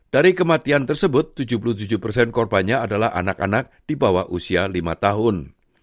dari kematian tersebut tujuh puluh tujuh persen korbannya adalah anak anak di bawah usia lima tahun